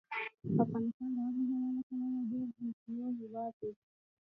افغانستان د آب وهوا له پلوه ډېر متنوع هېواد دی.